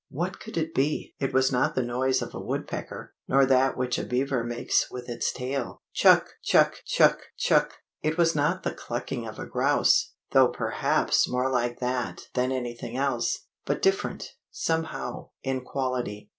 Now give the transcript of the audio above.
What could it be? It was not the noise of a woodpecker, nor that which a beaver makes with its tail. Chuck! chuck! chuck! chuck! It was not the clucking of a grouse, though perhaps more like that than anything else, but different, somehow, in quality.